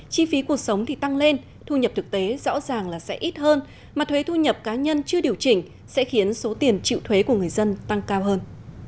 chi phí cuộc sống thì tăng lên thu nhập thực tế rõ ràng là sẽ ít hơn mà thuế thu nhập cá nhân chưa điều chỉnh sẽ khiến số tiền chịu thuế của người dân tăng cao hơn